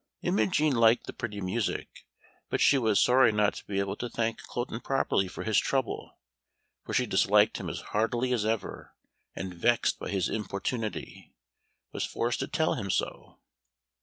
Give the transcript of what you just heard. Imogen liked the pretty music, but she was sorry not to be able to thank Cloten properly for his trouble, for she disliked him as heartily as ever, and, vexed by his importunity, was forced to tell him so.